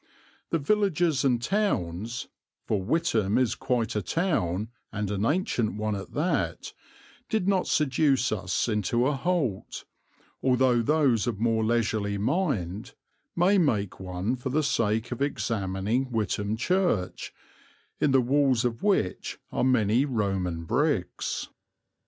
The villages and towns for Witham is quite a town, and an ancient one at that did not seduce us into a halt, although those of more leisurely mind may make one for the sake of examining Witham Church, in the walls of which are many Roman bricks.